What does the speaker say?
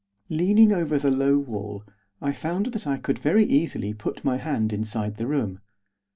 Leaning over the low wall I found that I could very easily put my hand inside the room.